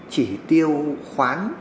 chỉ tiêu khoáng